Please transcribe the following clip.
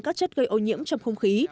các chất gây ô nhiễm trong không khí